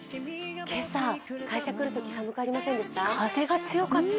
今朝、会社来るとき寒くありませんでした？